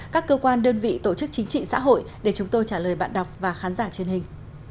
các cơ quan đơn vị tổ chức chính trị xã hội để chúng tôi trả lời bạn đọc và khán giả truyền hình